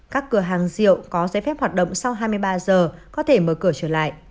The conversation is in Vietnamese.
các cửa hàng rượu có giấy phép hoạt động sau hai mươi ba giờ có thể mở cửa trở lại